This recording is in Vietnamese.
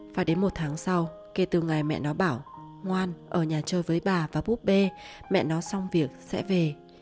và đến một tháng sau kể từ ngày mẹ nó bảo ngoan ở nhà chơi với bà và búp bê mẹ nó xong việc sẽ về